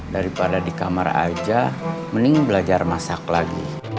daripada di kamar aja mending belajar masak lagi